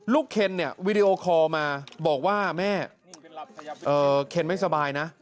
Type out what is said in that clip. ลูกเคนวิดีโอคอมาบอกว่าแม่เคนไม่สบายนะ